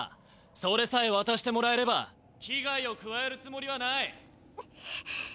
それさえわたしてもらえればきがいをくわえるつもりはない。